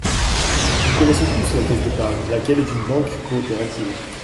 Nous connaissons tous la Caisse d’épargne, laquelle est une banque coopérative.